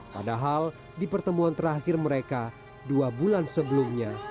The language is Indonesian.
padahal di pertemuan terakhir mereka dua bulan sebelumnya